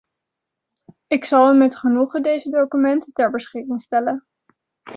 Ik zal u met genoegen deze documenten ter beschikking stellen.